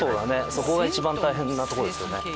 そこが一番大変なとこですよね。